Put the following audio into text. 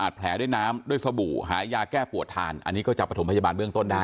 แผลด้วยน้ำด้วยสบู่หายาแก้ปวดทานอันนี้ก็จะประถมพยาบาลเบื้องต้นได้